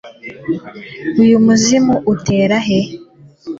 Uyu muzimu utera he